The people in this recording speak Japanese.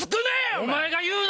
お前が言うなや！